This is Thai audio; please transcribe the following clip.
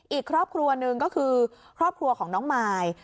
อีกครอบครัวหนึ่งก็คือครอบครัวของน้องมาย